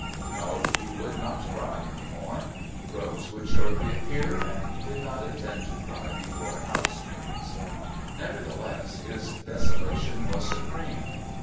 No, he would not cry any more. Rose would shortly appear, and he did not intend to cry before housemaids. Nevertheless, his desolation was supreme.